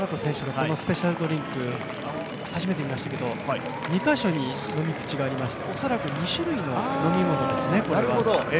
このスペシャルドリンク、初めて見ましたけれども２か所に飲み口がありまして恐らく２種類の飲み物ですね。